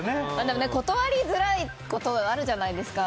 断りづらいことあるじゃないですか。